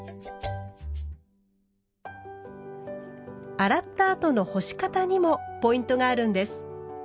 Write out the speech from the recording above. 洗ったあとの干し方にもポイントがあるんです。